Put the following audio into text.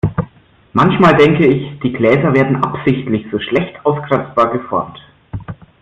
Manchmal denke ich, die Gläser werden absichtlich so schlecht auskratzbar geformt.